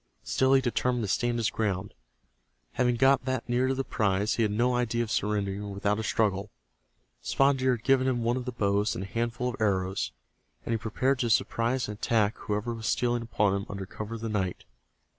Still he determined to stand his ground. Having got that near to the prize, he had no idea of surrendering without a struggle. Spotted Deer had given him one of the bows and a handful of arrows, and he prepared to surprise and attack whoever was stealing upon him under cover of the night.